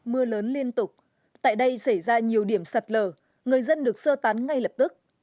mưa lớn liên tục tại đây xảy ra nhiều điểm sạt lở người dân được sơ tán ngay lập tức